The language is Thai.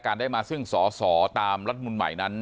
การได้มาซ่งสศตามจากรัฐมนตร์ใหม่นั้น